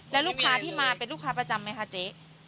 แล้วลูกค้าที่มาเป็นลูกค้าประจำไหมคะเจ๊